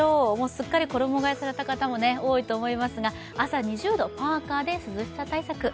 すっかり衣がえされた方も多いと思いますが、朝２０度、パーカーで涼しさ対策。